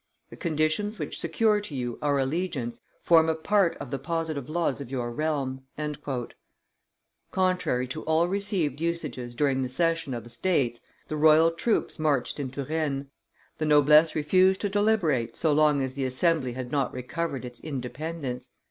The conditions which secure to you our allegiance form a part of the positive laws of your realm." Contrary to all received usages during the session of the states, the royal troops marched into Rennes; the noblesse refused to deliberate, so long as the assembly had not recovered its independence.